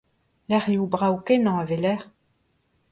Lec'hioù brav-kenañ a weler.